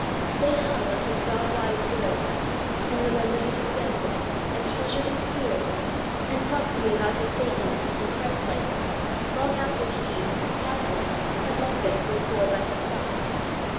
They hung on his God wise words, and remembered his ex ample, and treasured his spirit, and talked to me about his saintHness and Christlike ness long after he, as Captain, had left them for a corps by himself.